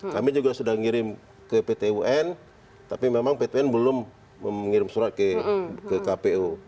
kami juga sudah ngirim ke pt un tapi memang pt un belum mengirim surat ke kpu